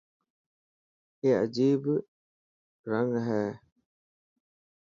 اي اجيب رن هي.